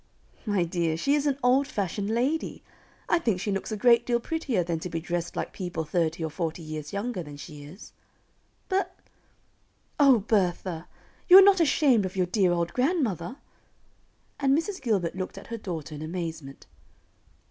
"My dear, she is an old fashioned lady. I think she looks a great deal prettier than to be dressed like people thirty or forty years younger than she is." "But " [Illustration: "I am disappointed."] "O Bertha! you are not ashamed of dear old grandmother?" and Mrs. Gilbert looked at her daughter in amazement.